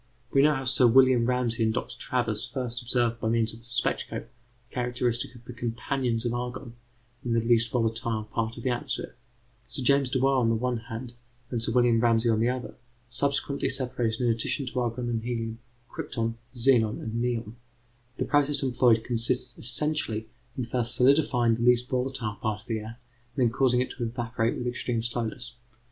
We know how Sir William Ramsay and Dr. Travers first observed by means of the spectroscope the characteristics of the companions of argon in the least volatile part of the atmosphere. Sir James Dewar on the one hand, and Sir William Ramsay on the other, subsequently separated in addition to argon and helium, crypton, xenon, and neon. The process employed consists essentially in first solidifying the least volatile part of the air and then causing it to evaporate with extreme slowness.